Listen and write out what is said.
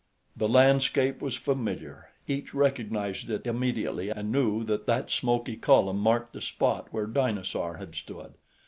The landscape was familiar each recognized it immediately and knew that that smoky column marked the spot where Dinosaur had stood.